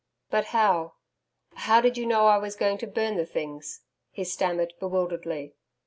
'But how how did you know I was going to burn the things?' he stammered bewilderedly.